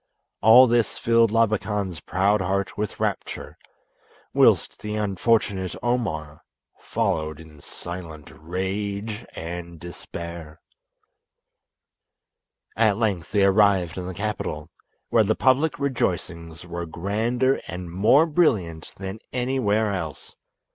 All this filled Labakan's proud heart with rapture, whilst the unfortunate Omar followed in silent rage and despair. At length they arrived in the capital, where the public rejoicings were grander and more brilliant than anywhere else.